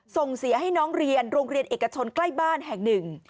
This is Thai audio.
ส่งเสียให้น้องเรียนโรงเรียนเอกชนใกล้บ้านแห่งหนึ่ง